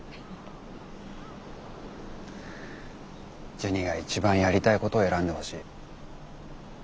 ジュニが一番やりたいことを選んでほしい。